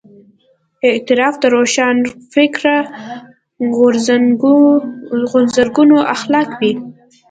اعتراف د روښانفکره غورځنګونو اخلاق وي.